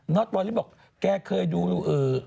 แน็ทตอนนี้บอกแกเคยดูรูอื่อ